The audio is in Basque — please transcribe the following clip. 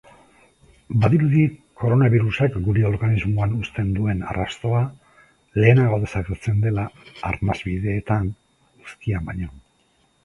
Badirudi koronabirusak gure organismoan uzten duen arrastoa lehenago desagertzen dela arnasbideetan uzkian baino.